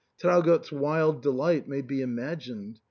Traugott's wild delight may be imagined.